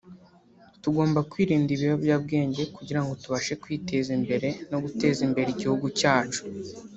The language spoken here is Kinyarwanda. tugomba kwirinda ibiyobyabwenge kugirango tubashe kwiteza imbere no guteza imbere igihugu cyacu”